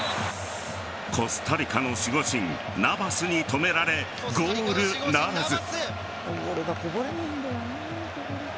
コスタリカの守護神ナヴァスに止められゴールならず。